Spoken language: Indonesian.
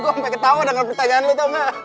gua sampe ketawa dengan pertanyaan lu tau gak